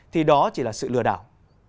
thì đó chỉ là sự lừa đảo